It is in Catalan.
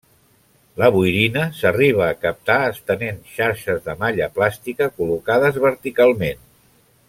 La boirina s'arriba a captar estenent xarxes de malla plàstica col·locades verticalment.